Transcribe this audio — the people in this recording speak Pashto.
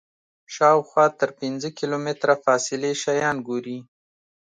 شاوخوا تر پنځه کیلومتره فاصلې شیان ګوري.